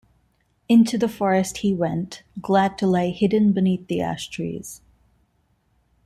Into the forest he went, glad to lie hidden beneath the ash trees.